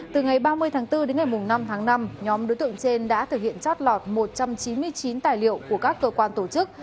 từ ngày ba mươi tháng bốn đến ngày năm tháng năm nhóm đối tượng trên đã thực hiện chót lọt một trăm chín mươi chín tài liệu của các cơ quan tổ chức